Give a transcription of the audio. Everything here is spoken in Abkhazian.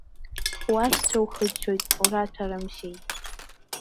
Уашьцәа ухыччоит, ураҭәарымшьеит.